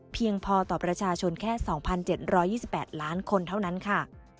เพียงพอต่อประชาชนแค่๒๗๒๘ล้านคนเท่านั้นค่ะ